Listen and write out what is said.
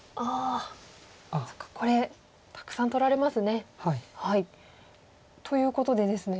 そっかこれたくさん取られますね。ということでですね